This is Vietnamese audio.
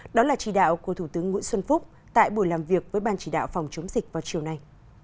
đó là chỉ đạo của thủ tướng nguyễn xuân phúc tại buổi làm việc với ban chỉ đạo phòng chống dịch vào chiều nay